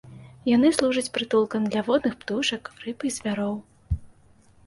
Яны служаць прытулкам для водных птушак, рыб і звяроў.